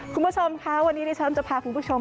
คุณผู้ชมค่ะวันนี้ดิฉันจะพาคุณผู้ชม